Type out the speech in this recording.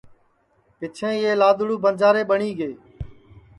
پیچھیں یہ لادڑوُ بنجارے ٻٹؔی گے